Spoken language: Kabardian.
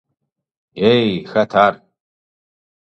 Ей, хэт ар?